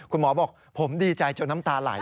คุณหมอบอกผมดีใจจนน้ำตาไหล